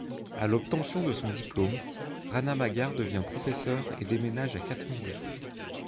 A l'obtention de son diplôme, Ranamagar devient professeure et déménage à Katmandou.